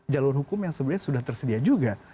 jalur hukum yang sebenarnya sudah tersedia juga